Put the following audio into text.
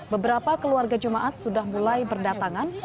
beberapa keluarga jemaat sudah mulai berdatangan